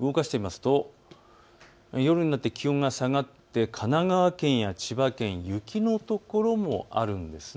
動かしてみますと夜になって気温が下がって神奈川県や千葉県、雪の所もあるんです。